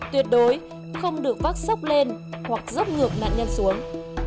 tuyệt đối không được vác sốc lên hoặc dốc ngược nạn nhân xuống